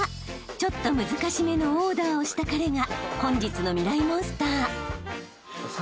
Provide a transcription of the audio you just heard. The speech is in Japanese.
ちょっと難しめのオーダーをした彼が］